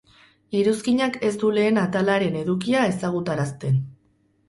Iruzkinak ez du lehen atalaren edukia ezagutarazten.